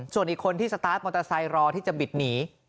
ส่วนอีกคนที่สตาร์ทมอเตอร์ไซค์รอที่จะบิดหนี